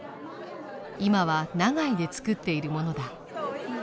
今は長井で造っているものだ。